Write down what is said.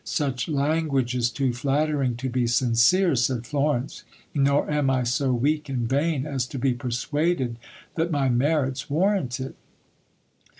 Such language is too flattering to be sincere, said Florence ; nor am I so weak and vain as to be persuaded that my merits warrant it.